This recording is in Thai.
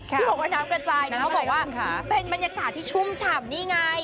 ที่บอกว่าน้ำกระจายนะเขาบอกว่าเป็นบรรยากาศที่ชุ่มฉ่ำนี่ไง